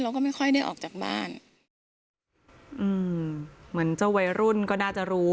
เราก็ไม่ค่อยได้ออกจากบ้านอืมเหมือนเจ้าวัยรุ่นก็น่าจะรู้